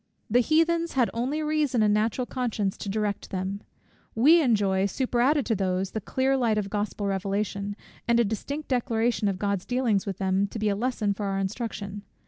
The Heathens had only reason and natural conscience to direct them: we enjoy, superadded to these, the clear light of Gospel revelation, and a distinct declaration of God's dealings with them, to be a lesson for our instruction.